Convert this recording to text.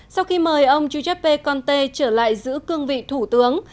sau khi mời ông giuseppe conte trở lại giữ cương vị thủ tướng